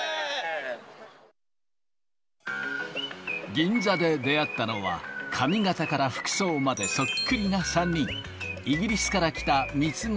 銀座で出会ったのは、髪形から服装までそっくりな３人。